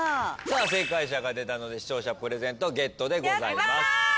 さあ正解者が出たので視聴者プレゼントゲットです。